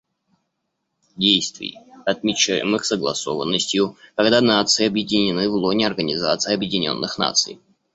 Действий, отмечаемых согласованностью, — когда нации объединены в лоне Организации Объединенных Наций.